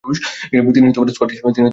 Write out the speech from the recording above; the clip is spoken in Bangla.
তিনি স্কটিশ বংশোদ্ভূত।